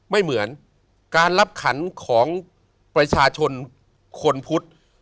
ไม่เหมือนการรับขันของประชาชนคนพุทธ